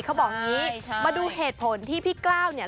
เขาบอกอย่างนี้มาดูเหตุผลที่พี่กล้าวเนี่ย